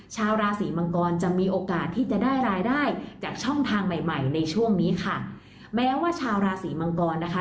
ชาวราศีมังกรจะมีโอกาสที่จะได้รายได้จากช่องทางใหม่ใหม่ในช่วงนี้ค่ะแม้ว่าชาวราศีมังกรนะคะ